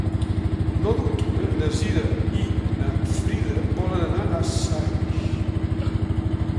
El nou d'octubre na Cira i na Frida volen anar a Saix.